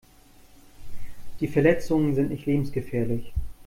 Die Verletzungen sind nicht lebensgefährlich.